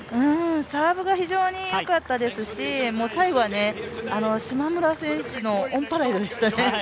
サーブが非常に良かったですし、最後は島村選手のオンパレードでしたね。